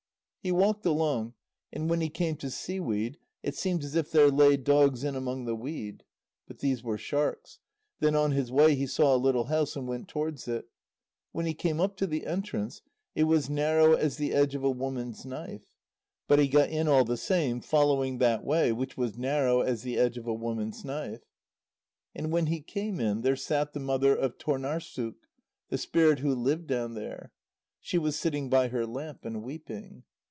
He walked along, and when he came to seaweed, it seemed as if there lay dogs in among the weed. But these were sharks. Then on his way he saw a little house, and went towards it. When he came up to the entrance, it was narrow as the edge of a woman's knife. But he got in all the same, following that way which was narrow as the edge of a woman's knife. And when he came in, there sat the mother of Tôrnârssuk, the spirit who lived down there; she was sitting by her lamp and weeping.